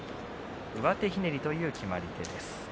上手ひねりという決まり手です。